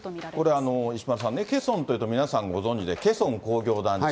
これ、石丸さんね、ケソンというと皆さんご存じで、ケソン工業団地。